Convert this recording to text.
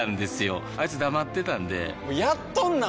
あいつ黙ってたんでやっとんなー！